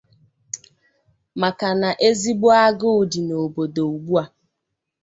maka na ezigbo agụụ dị n'obodo ugbua